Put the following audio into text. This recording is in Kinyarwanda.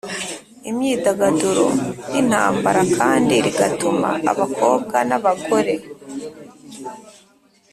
imyidagaduro n'intambara kandi rigatuma abakobwa n'abagore